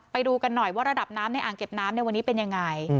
ไปดูกันหน่อยว่าระดับน้ำในอ่างเก็บน้ำในวันนี้เป็นยังไง